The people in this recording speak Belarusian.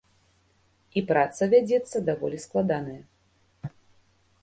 І праца вядзецца даволі складаная.